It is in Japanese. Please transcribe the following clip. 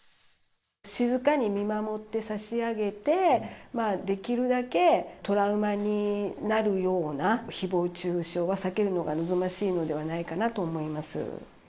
静かに見守って差し上げて、できるだけトラウマになるようなひぼう中傷は避けるのが望ましいのではないかなと思います。